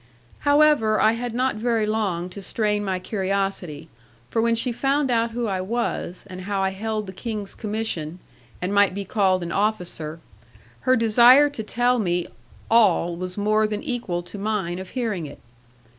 'However, I had not very long to strain my curiosity; for when she found out who I was, and how I held the King's commission, and might be called an officer, her desire to tell me all was more than equal to mine of hearing it.